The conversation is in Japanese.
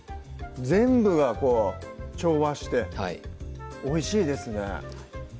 全部が調和しておいしいですね